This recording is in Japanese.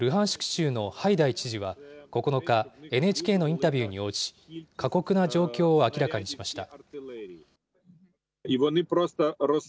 州のハイダイ知事は９日、ＮＨＫのインタビューに応じ、過酷な状況を明らかにしました。